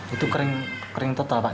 itu kering total pak